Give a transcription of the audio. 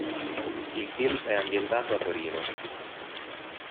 Il film è ambientato a Torino.